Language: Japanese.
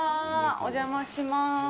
お邪魔します。